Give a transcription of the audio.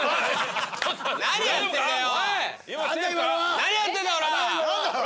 何やってんだよ！